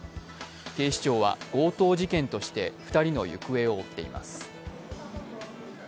警視庁は強盗事件として２人の行方を追っています。